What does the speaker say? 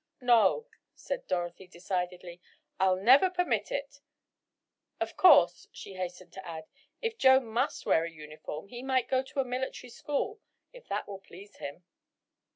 "No," said Dorothy decidedly, "I'll never permit it. Of course," she hastened to add, "if Joe must wear a uniform, he might go to a military school, if that will please him."